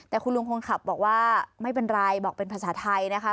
แต่คุณลุงคนขับบอกว่าไม่เป็นไรบอกเป็นภาษาไทยนะคะ